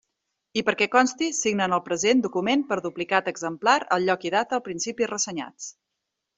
I perquè consti signen el present document per duplicat exemplar, al lloc i data al principi ressenyats.